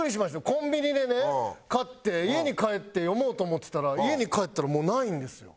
コンビニでね買って家に帰って読もうと思ってたら家に帰ったらもうないんですよ。